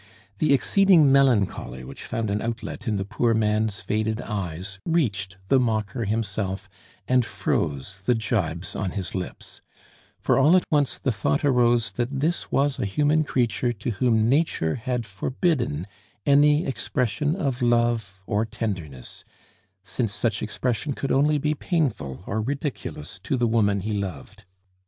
The exceeding melancholy which found an outlet in the poor man's faded eyes reached the mocker himself and froze the gibes on his lips; for all at once the thought arose that this was a human creature to whom Nature had forbidden any expression of love or tenderness, since such expression could only be painful or ridiculous to the woman he loved.